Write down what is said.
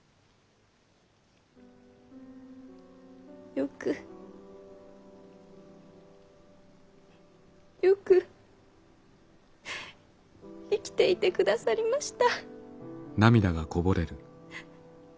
よくよく生きていてくださりました。